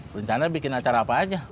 rencana bikin acara apa aja